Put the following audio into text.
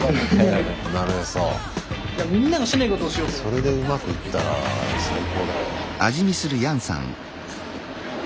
それでうまくいったら最高だよな。